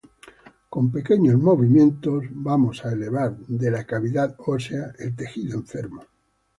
Con pequeños movimientos vamos a elevar de la cavidad ósea el tejido enfermo.